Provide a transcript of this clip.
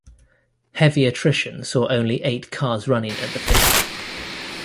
Heavy attrition saw only eight cars running at the finish.